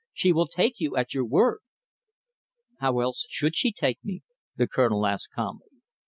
She will take you at your word." "How else should she take me?" the Colonel asked calmly.